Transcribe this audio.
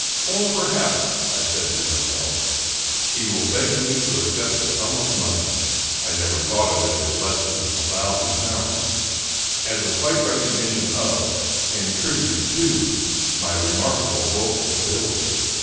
Or perhaps, I said to myself, he will beg me to accept a sum of money — I never thought of it as less than a thousand pounds — ^as a slight recognition of and tribute to my remarkable vocal ability.